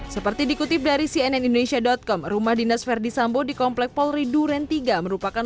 seperti dikutip dari cnn indonesia com rumah dinas verdi sambo di komplek polri duren tiga merupakan